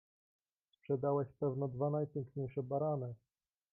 "Sprzedałeś pewno dwa najpiękniejsze barany?"